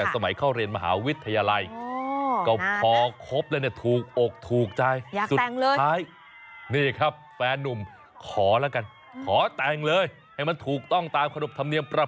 ซ้อมคุกเข่าน่ะแต่ไม่รู้จะขอใคร